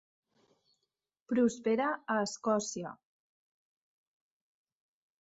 Prospera a Escòcia.